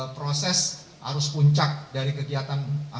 proses arus puncak dari kegiatan